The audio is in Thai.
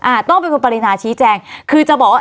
ต้องเป็นคุณปรินาชี้แจงคือจะบอกว่า